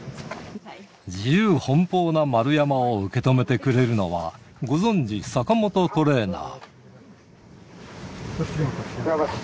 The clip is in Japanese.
自由奔放な丸山を受け止めてくれるのは、ご存じ、坂本トレーナー。